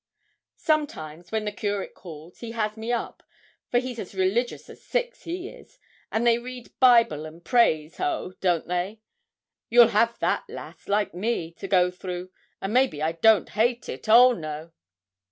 'Sometimes, when the curate calls, he has me up for he's as religious as six, he is and they read Bible and prays, ho don't they? You'll have that, lass, like me, to go through; and maybe I don't hate it; oh, no!'